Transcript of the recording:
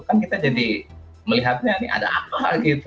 kan kita jadi melihatnya ini ada apa gitu